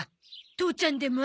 父ちゃんでも？